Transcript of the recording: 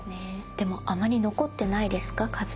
でもあまり残ってないですか？